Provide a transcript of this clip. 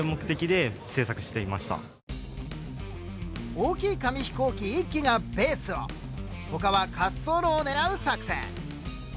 大きい紙飛行機１機がベースを他は滑走路を狙う作戦。